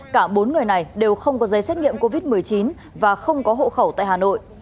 cả bốn người này đều không có giấy xét nghiệm covid một mươi chín và không có hộ khẩu tại hà nội